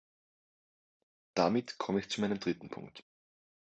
Damit komme ich zu meinem dritten Punkt.